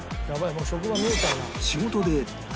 もう職場見えちゃうな。